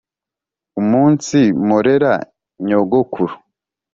umunsi mporera nyogokuru